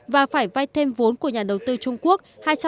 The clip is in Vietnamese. và phải vay thêm vốn của nhà đầu tư trung quốc